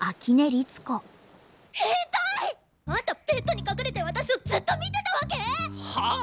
ヘンタイ！あんたベッドに隠れて私をずっと見てたわけ⁉はあ